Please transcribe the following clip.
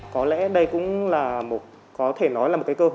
có lẽ đây cũng là một cơ hội